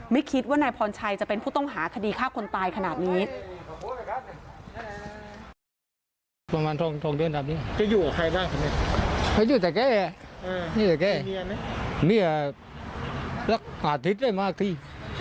ไม่คิดว่านายพรชัยจะเป็นผู้ต้องหาคดีฆ่าคนตายขนาดนี้